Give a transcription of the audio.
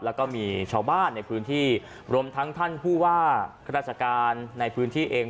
แล้วก็มีชาวบ้านในพื้นที่รวมทั้งท่านผู้ว่าราชการในพื้นที่เอง